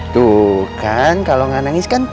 tuh kan kalau gak nangis kan cantik